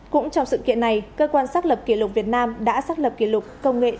cũng trong sự kiện này cơ quan xác lập kỷ lục việt nam đã xác lập công nghệ bg